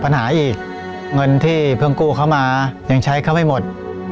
ผมต้องมาหาอีกเงินที่เภืองกู้เขามายังใช้เขาไม่หมด